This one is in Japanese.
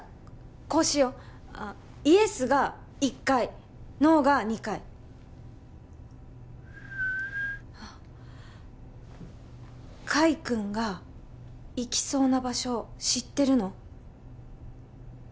こうしようイエスが１回ノーが２回カイくんが行きそうな場所知ってるの？